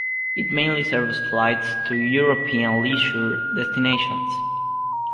It mainly serves flights to European leisure destinations.